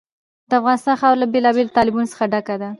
د افغانستان خاوره له بېلابېلو تالابونو څخه ډکه ده.